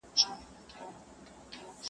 هم ډنګر وو هم له رنګه لکه سکور وو-